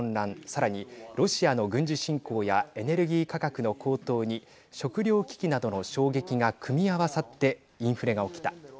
さらにロシアの軍事侵攻やエネルギー価格の高騰に食料危機などの衝撃が組み合わさってインフレが起きた。